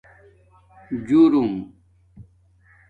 جُرم